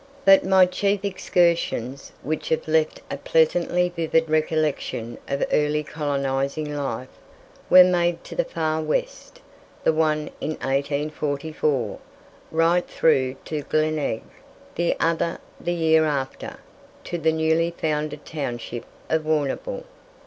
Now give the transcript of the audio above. But my chief excursions, which have left a pleasantly vivid recollection of early colonizing life, were made to the far west the one in 1844, right through to the Glenelg; the other the year after, to the newly founded township of Warrnambool.